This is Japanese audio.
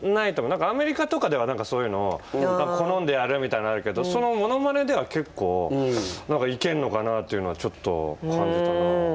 何かアメリカとかでは何かそういうのを好んでやるみたいなのあるけどそのモノマネでは結構何かいけるのかなっていうのはちょっと感じたな。